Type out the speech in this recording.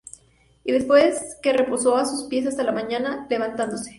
Y después que reposó á sus pies hasta la mañana, levantóse.